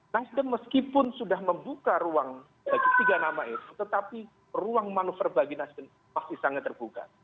nasdem meskipun sudah membuka ruang bagi tiga nama itu tetapi ruang manuver bagi nasdem pasti sangat terbuka